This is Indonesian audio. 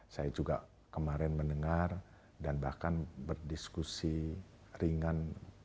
saya juga kemarin mendengar dan bahkan berdiskusi ringan